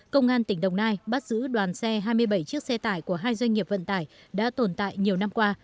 công an tỉnh đồng nai bắt giữ đoàn xe hai mươi bảy chiếc xe tải của hai doanh nghiệp vận tải đã tồn tại nhiều năm qua